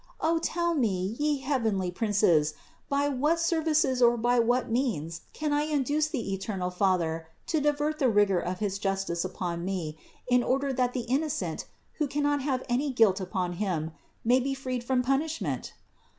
O tell me, ye heavenly princes, by what services or by what means can I induce the eternal Fa ther to divert the rigor of his justice upon me, in order that the Innocent, who cannot have any guilt upon Him, may be freed from punishment?